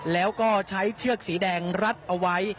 แล้วก็ใช้เชือกสีแดงรัดเอาไว้